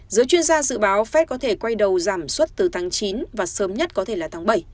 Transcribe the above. giới chuyên gia dự báo fed có thể quay đầu giảm suất từ tháng chín và sớm nhất có thể là tháng bảy